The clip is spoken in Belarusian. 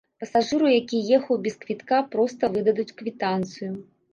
Пасажыру, які ехаў без квітка, проста выдадуць квітанцыю.